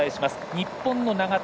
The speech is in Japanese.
日本の永田。